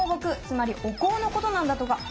つまりお香のことなんだとか。